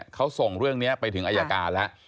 เขาส่งเรื่องนี้ไปถึงอายการแล้ว